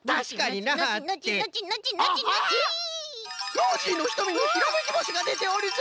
ノージーのひとみにひらめきぼしがでておるぞ！